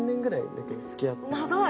長い！